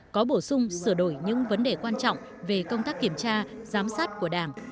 có bổ sung sửa đổi những vấn đề quan trọng về công tác kiểm tra giám sát của đảng